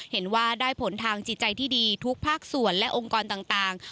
เห็นว่าได้ผลทางจิตใจที่ดีทุกภาคส่วนและองค์กรต่าง